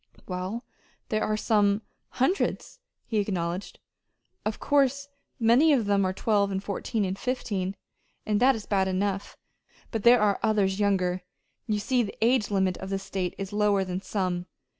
"Well, there are some hundreds," he acknowledged. "Of course many of them are twelve and fourteen and fifteen, and that is bad enough; but there are others younger. You see the age limit of this state is lower than some.